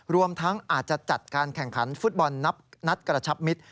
รวมทั้งอาจจะจัดการแข่งขันฟุตบอลนัดกระชับมิตร